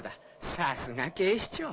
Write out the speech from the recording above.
さすが警視庁。